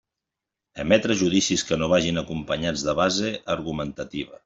Emetre judicis que no vagin acompanyats de base argumentativa.